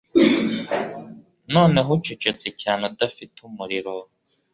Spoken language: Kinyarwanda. Noneho ucecetse cyane udafite umuriro